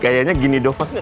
kayaknya gini doang